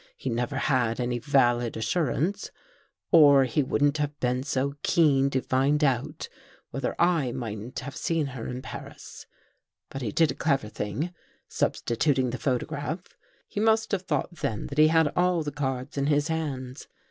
He never had any valid assurance, or he wouldn't have been so keen to find out whether I mightn't have seen her in Paris. " But he did a clever thing, substituting the photo graph. He must have thought then that he had all the cards in his hands.